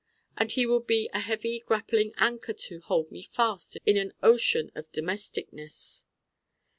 And he would be a heavy grappling anchor to hold me fast in an ocean of domesticness.